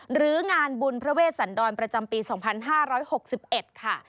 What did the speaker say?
หรืองานบุญพระเวชสันดรประจำปี๒๕๖๑ค่ะ